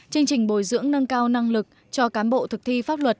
chương trình bồi dưỡng nâng cao năng lực cho cán bộ thực thi pháp luật